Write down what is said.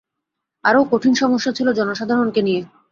আরও কঠিন সমস্যা ছিল জনসাধারণকে নিয়ে।